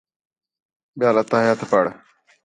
ٻِیال اِلتَّحِیَّات پڑھ